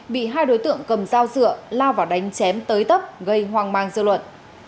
bị hai đối tượng cầm dao dựa lao vào đánh chém tới tấp gây hoang mang dư luận